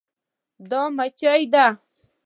دا مچي ده